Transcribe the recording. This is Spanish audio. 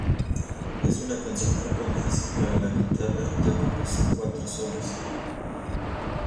Es una canción un poco difícil para la guitarra ya que posee cuatro solos.